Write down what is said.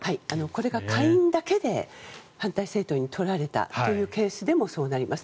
これが下院だけで反対政党に取られたというケースでもそうなります。